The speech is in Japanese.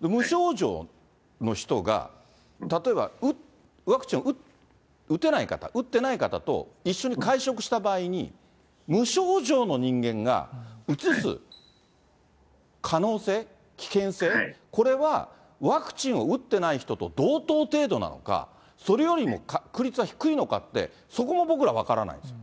無症状の人が例えば、ワクチンを打てない方、打ってない方と一緒に会食した場合に、無症状の人間がうつす可能性、危険性、これはワクチンを打ってない人と同等程度なのか、それよりも確率は低いのかって、そこも僕ら分からないですよ。